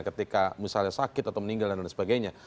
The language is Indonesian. ketika misalnya sakit atau meninggal dan lain sebagainya